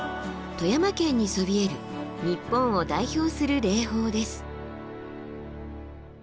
富山県にそびえる日本を代表する霊峰です。